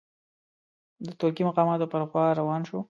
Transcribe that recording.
د ترکي مقاماتو پر خوا روان شو.